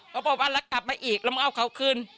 เขาบอกว่าแล้วกลับมาอีกแล้วมึงเอาเขาคืน